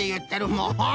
もう！